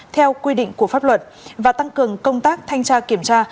theo quy định của pháp luật và tăng cường công tác thanh tra kiểm tra